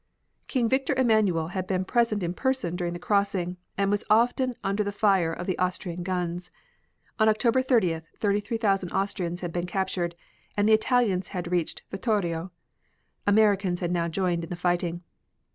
King Victor Emanuel had been present in person during the crossing, and was often under the fire of the Austrian guns. On October 30th, 33,000 Austrians had been captured and the Italians had reached Vittorio. Americans had now joined in the fighting.